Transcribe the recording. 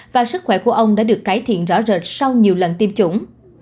và sức khỏe của ông đã được cải thiện rõ rệt sau nhiều lần tiêm chủng